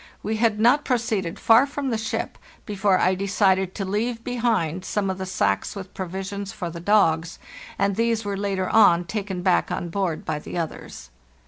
We had not pro ceeded far from the ship before I decided to leave be hind some of the sacks with provisions for the dogs, and these were later on taken back on board by the others.